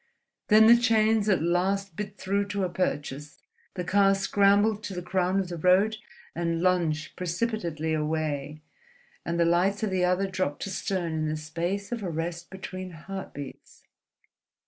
Then the chains at last bit through to a purchase, the car scrambled to the crown of the road and lunged precipitately away; and the lights of the other dropped astern in the space of a rest between heartbeats.